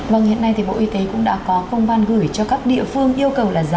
vâng hiện nay thì bộ y tế cũng đã có công văn gửi cho các địa phương yêu cầu là giả